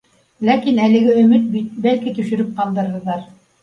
Ләкин әлеге өмөт бит, бәлки, төшөрөп ҡалдырырҙар